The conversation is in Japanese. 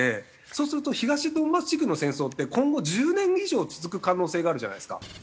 そうすると東ドンバス地区の戦争って今後１０年以上続く可能性があるじゃないですか。